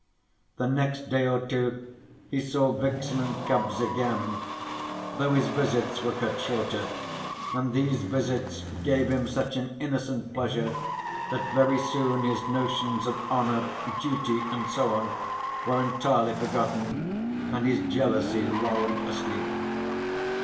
The next day or two he saw vixen and cubs again, though his visits were cut shorter, and these visits gave him such an innocent pleasure that very soon his notions of honour, duty and so on, were entirely forgotten, and his jealousy lulled asleep.